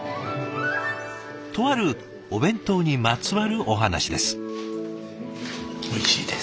とあるお弁当にまつわるお話です。